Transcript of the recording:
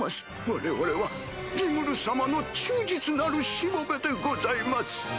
我々はリムル様の忠実なるしもべでございます。